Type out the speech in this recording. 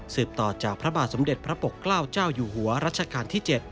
ต่อจากพระบาทสมเด็จพระปกเกล้าเจ้าอยู่หัวรัชกาลที่๗